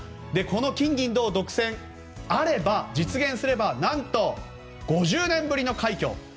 この金銀銅独占が実現すれば何と５０年ぶりの快挙。